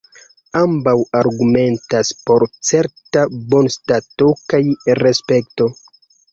Ambaŭ argumentas por certa bonstato kaj respekto.